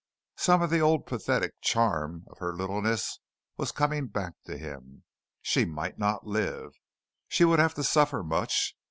Some of the old pathetic charm of her littleness was coming back to him. She might not live. She would have to suffer much.